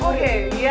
nah gitu ya